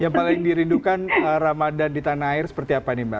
yang paling dirindukan ramadan di tanah air seperti apa nih mbak